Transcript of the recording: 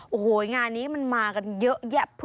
โอ้โหงานนี้มันมากันเยอะแยะ